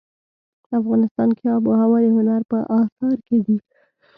افغانستان کې آب وهوا د هنر په اثار کې دي.